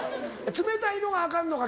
冷たいのがアカンのか？